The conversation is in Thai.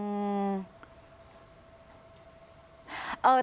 อืม